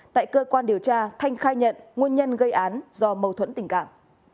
tại cơ quan điều tra thanh khai nhận nguồn nhân gây án do mâu thuẫn tình cảm